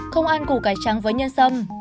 không ăn củ cải trắng với nhân sâm